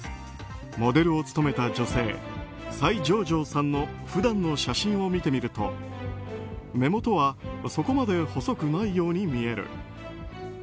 モデルを務めた女性菜嬢嬢さんの普段の写真を見てみると目元はそこまで細くないように見える。